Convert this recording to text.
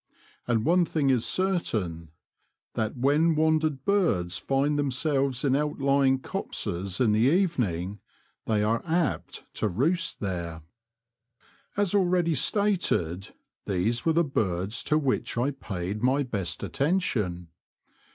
And one thing is certain : That when wandered birds find themselves in outlying copses in the evening they are apt to roost there. As already stated, these were the birds to which I paid my best attention.